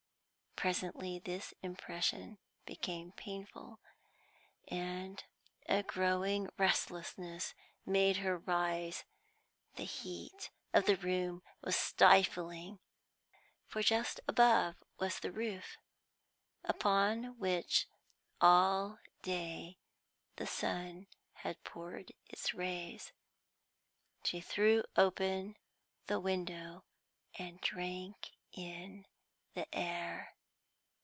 Presently this impression became painful, and a growing restlessness made her rise. The heat of the room was stifling, for just above was the roof, upon which all day the sun had poured its rays. She threw open the window, and drank in the air.